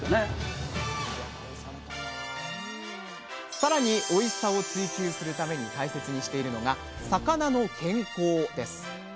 さらにおいしさを追求するために大切にしているのが魚の健康です